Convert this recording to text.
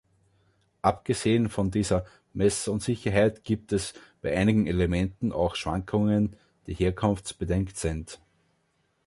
Abgesehen von dieser Messunsicherheit gibt es bei einigen Elementen auch Schwankungen, die herkunftsbedingt sind.